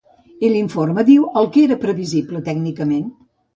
I l’informe diu el que era previsible tècnicament.